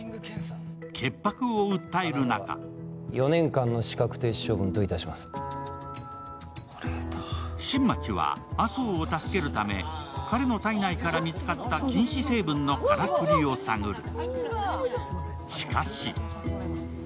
潔白を訴える中新町は麻生を助けるため、彼の体内から見つかった禁止成分のからくりを探る。